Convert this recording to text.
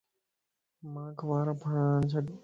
مانک وار ڦراڻ ڇڏ